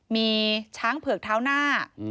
มีช้างเผือกเท้าหน้า